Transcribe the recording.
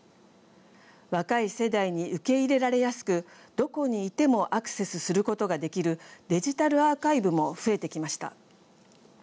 若い世代に受け入れられやすくどこにいてもアクセスすることができるデジタルアーカイブも増えてきました。